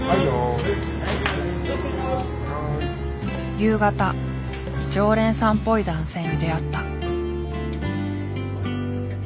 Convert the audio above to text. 夕方常連さんっぽい男性に出会った。